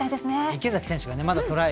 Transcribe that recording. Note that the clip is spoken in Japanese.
池崎選手がまだトライ